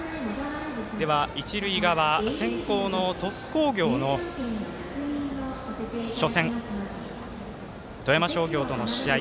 一塁側、先攻の鳥栖工業の初戦、富山商業との試合